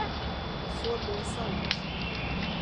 Sua boa saúde.